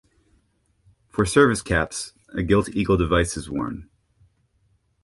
For service caps, a gilt eagle device is worn.